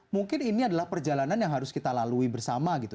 mungkin ini adalah perjalanan yang harus kita lalui bersama gitu